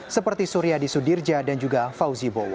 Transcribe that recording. seperti surya disudirja dan juga fauzi bowo